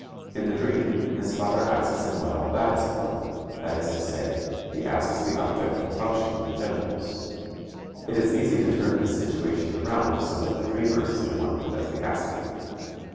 In the dream his father asks him what all that is for; that is to say, he asks the object and function of the genitals. It is easy to turn this situation around so that the dreamer is the one who does the asking.